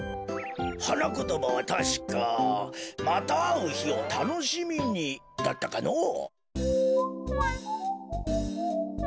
はなことばはたしか「またあうひをたのしみに」だったかのぉ。